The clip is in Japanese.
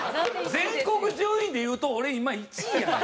全国順位でいうと俺今１位やねん。